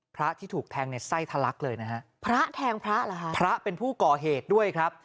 พระที่ถูกแทงในไส้ทะลักเลยนะฮะพระแทงพระเหรอคะพระเป็นผู้ก่อเหตุด้วยครับ